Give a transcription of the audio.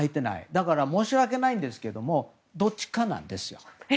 だから申し訳ないですがどっちかなんです。